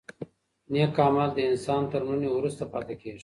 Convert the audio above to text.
نېک عمل د انسان تر مړینې وروسته پاتې کېږي.